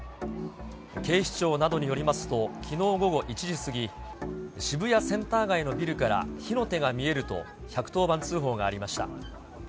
警視庁などによりますと、きのう午後１時過ぎ、渋谷センター街のビルから火の手が見えると１１０番通報がありました。